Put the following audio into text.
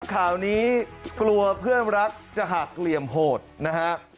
ข่าวนี้กลัวเพื่อนรักจะหักเหลี่ยมโหดนะฮะ